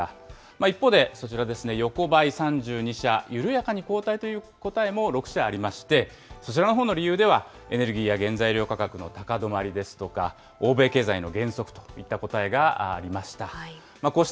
一方で、そちらですね、横ばい３２社、緩やかに後退という答えも６社ありまして、そちらのほうの理由では、エネルギーや原材料価格の高止まりですとか、欧米経済の減速といった答えがありました。